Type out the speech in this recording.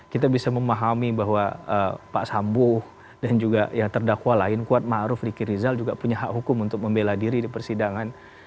kita bisa memahami bahwa pak sambu dan juga yang terdakwa lain kuat ⁇ maruf ⁇ riki rizal juga punya hak hukum untuk membela diri di persidangan